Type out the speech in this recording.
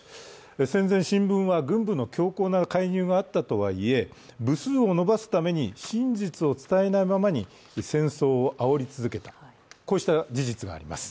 戦前、新聞は軍部の強硬な介入があったとはいえ、部数を伸ばすために真実を伝えないままに戦争をあおり続けた、こうした事実があります。